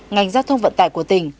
ngành gia thông vận tải của tỉnh